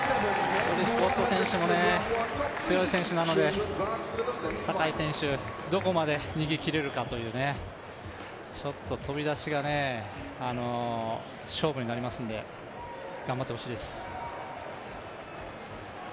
プリスゴッド選手も強い選手なので坂井選手どこまで逃げ切れるかという、ちょっと飛び出しが勝負になりますので、頑張ってほしいです。